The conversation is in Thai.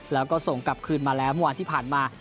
แล้วก็ส่งกลับคืนมาแล้วเมื่อวานที่ผ่านมา